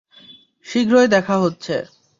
শীঘ্রই দেখা হচ্ছে।